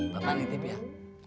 bapak nanti biar